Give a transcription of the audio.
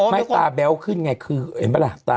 ไม่ตาแบ๊วขึ้นไงคือเห็นปะล่ะ